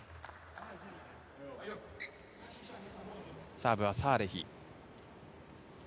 サーブはサーレヒ。